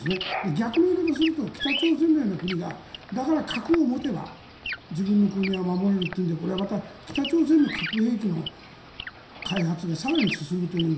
逆の言い方をすると北朝鮮のような国がだから核を持てば自分の国は守れるというのでこれはまた北朝鮮の核兵器の開発が更に進むという。